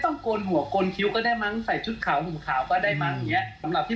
บางครั้งคนไปบวชมันจะข้ามไปเลยไหมอะไรประมาณนี้